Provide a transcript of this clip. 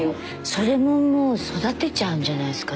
それももう育てちゃうんじゃないですか？